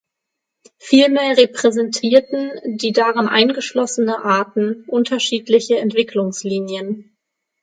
Vielmehr repräsentierten die darin eingeschlossene Arten unterschiedliche Entwicklungslinien.